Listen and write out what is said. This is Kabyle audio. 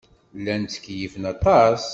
Llan ttkeyyifen aṭas.